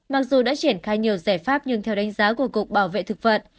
mặc dù đã triển khai nhiều giải pháp nhưng theo đánh giá của cục bảo vệ thực vật